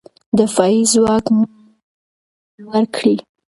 دفاعي ځواک مو لوړ کړئ.